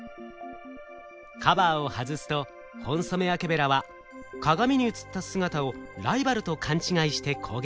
カバーを外すとホンソメワケベラは鏡に映った姿をライバルと勘違いして攻撃。